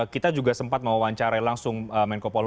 kita juga sempat mau wawancara langsung menko polo